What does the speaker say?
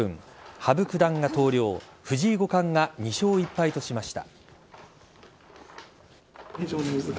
羽生九段が投了藤井五冠が２勝１敗としました。